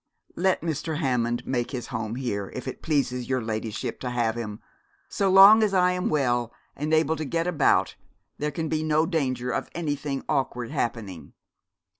Let Mr. Hammond make his home here, if it pleases your ladyship to have him. So long as I am well and able to get about there can be no danger of anything awkward happening.'